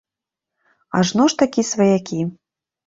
Ажно ж такі сваякі.